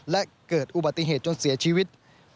และเกิดอุบัติเหตุจนเสียชีวิต